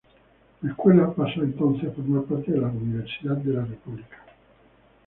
La Escuela pasa entonces a formar parte de la Universidad de la República.